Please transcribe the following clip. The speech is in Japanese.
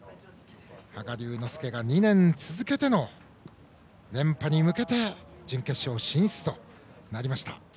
羽賀龍之介が２年続けての連覇に向けて準決勝進出となりました。